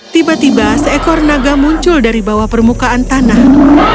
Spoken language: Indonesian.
tiba tiba seekor naga muncul dari bawah permukaan tanah